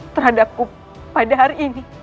terhadapku pada hari ini